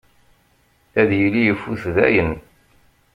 Ad yili ifut dayen.